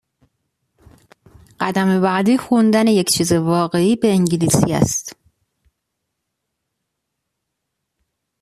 قدم بعدی خوندن یک چیز واقعی به انگلیسی است.